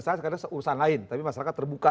saat itu urusan lain tapi masyarakat terbuka